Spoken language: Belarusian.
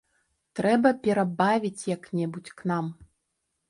Трэба перабавіць як-небудзь к нам.